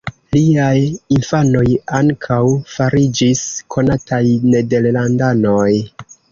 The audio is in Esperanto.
Liaj infanoj ankaŭ fariĝis konataj nederlandanoj.